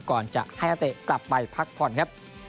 ก่อนจะให้นักเตะกลับไปพักผ่อนครับ